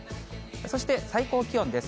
そして最高気温です。